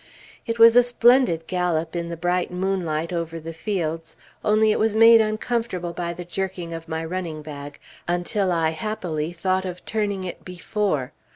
It was a splendid gallop in the bright moonlight, over the fields, only it was made uncomfortable by the jerking of my running bag, until I happily thought of turning it before.